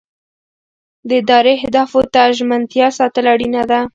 د ادارې اهدافو ته ژمنتیا ساتل اړینه ده.